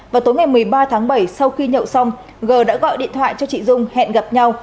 vào tối ngày một mươi ba tháng bảy sau khi nhậu xong gờ đã gọi điện thoại cho chị dung hẹn gặp nhau